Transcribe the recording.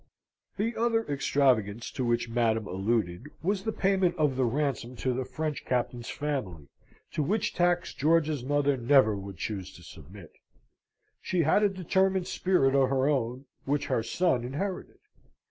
The other extravagance to which Madam alluded was the payment of the ransom to the French captain's family, to which tax George's mother never would choose to submit. She had a determined spirit of her own, which her son inherited.